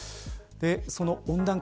その温暖化